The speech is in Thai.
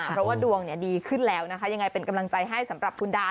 เพราะว่าดวงดีขึ้นแล้วนะคะยังไงเป็นกำลังใจให้สำหรับคุณดา